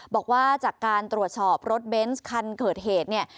บอกว่าจากการตรวจสอบรถเบนส์คันเกิดเหตุเนี่ย